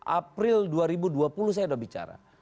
april dua ribu dua puluh saya sudah bicara